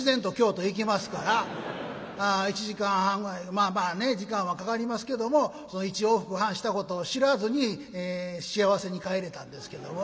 まあまあね時間はかかりますけども１往復半したことを知らずに幸せに帰れたんですけどもね。